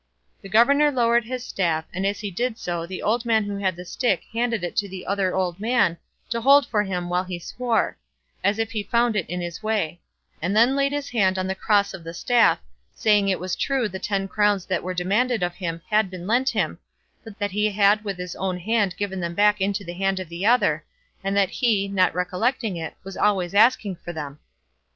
The governor lowered the staff, and as he did so the old man who had the stick handed it to the other old man to hold for him while he swore, as if he found it in his way; and then laid his hand on the cross of the staff, saying that it was true the ten crowns that were demanded of him had been lent him; but that he had with his own hand given them back into the hand of the other, and that he, not recollecting it, was always asking for them.